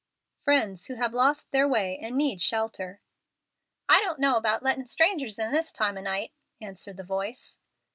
"Friends who have lost their way, and need shelter." "I don't know about lettin' strangers in this time o' night," answered the voice.